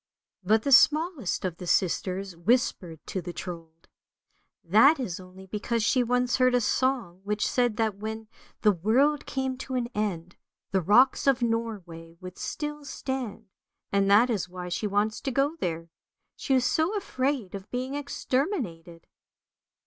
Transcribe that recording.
" But the smallest of the sisters whispered to the Trold, " that is only because she once heard a song which said that when the world came to an end, the rocks of Norway would still stand, and that is why she wants to go there, she is so afraid of being exterminated."